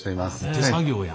手作業や。